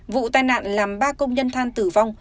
vụ tai nạn làm ba công nhân than tử vong